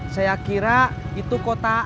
saya kira itu kotaan